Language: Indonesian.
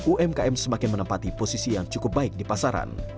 umkm semakin menempati posisi yang cukup baik di pasaran